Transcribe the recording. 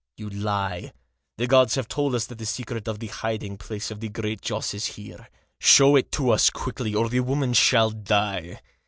" You lie. The gods have told us that the secret of the hiding place of the Great Joss is here. Show it to us quickly, or the woman shall die."